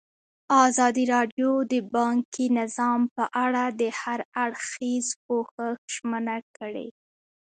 ازادي راډیو د بانکي نظام په اړه د هر اړخیز پوښښ ژمنه کړې.